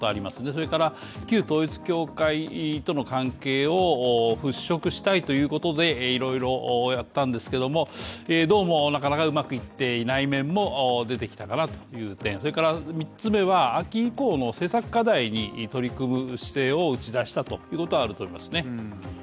それから、旧統一教会との関係を払拭したいということで、いろいろやったんですけども、どうもなかなかうまくいっていない面も出てきたかなという点それから３つ目は、秋以降の施策課題に打ち出す姿勢を出しというのがありますね。